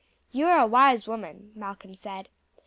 '" "You are a wise woman," Malcolm said.